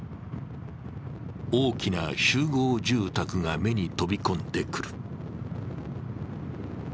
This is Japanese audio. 大きな集合住宅が目に飛び込んでくる。